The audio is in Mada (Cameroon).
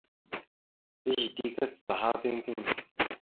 Mbiyez dik tacacaha piŋ piŋ.